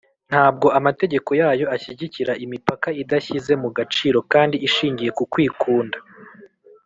. Ntabwo amategeko yayo ashyigikira imipaka idashyize mu gaciro kandi ishingiye ku kwikunda.